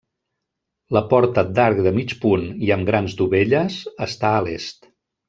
La porta d'arc de mig punt i amb grans dovelles, està a l'est.